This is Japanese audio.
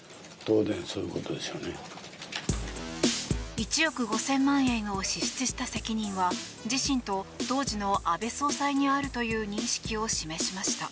１億５０００万円を支出した責任は自身と当時の安倍総裁にあるという認識を示しました。